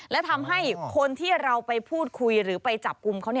และทำให้คนที่เราไปพูดคุยหรือไปจับกลุ่มเขา